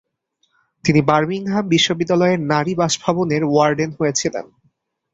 তিনি বার্মিংহাম বিশ্ববিদ্যালয়ের নারী বাসভবনের ওয়ার্ডেন হয়েছিলেন।